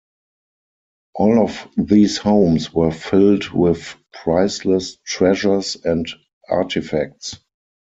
All of these homes were filled with priceless treasures and artifacts.